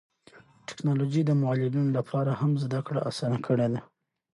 ټیکنالوژي د معلولینو لپاره هم زده کړه اسانه کړې ده.